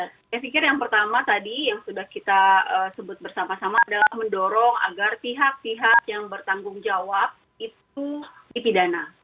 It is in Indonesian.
saya pikir yang pertama tadi yang sudah kita sebut bersama sama adalah mendorong agar pihak pihak yang bertanggung jawab itu dipidana